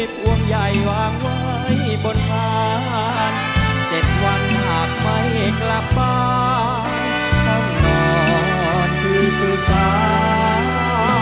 ภวงใหญ่วางไว้บนทานเจ็ดวันหากไม่กลับบ้าน